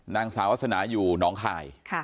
นางสาวาสนาอยู่น้องคาย